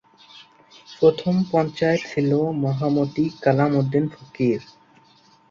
প্রথম পঞ্চায়েত ছিল মহামতি কালাম উদ্দিন ফকির।